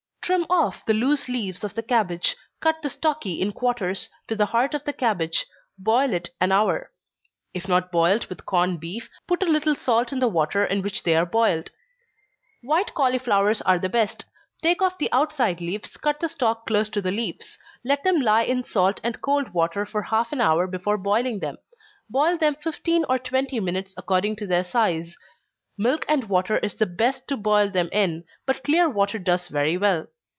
_ Trim off the loose leaves of the cabbage, cut the stalky in quarters, to the heart of the cabbage boil it an hour. If not boiled with corned beef, put a little salt in the water in which they are boiled. White cauliflowers are the best. Take off the outside leaves, cut the stalk close to the leaves, let them lie in salt and cold water for half an hour before boiling them boil them fifteen or twenty minutes, according to their size. Milk and water is the best to boil them in, but clear water does very well.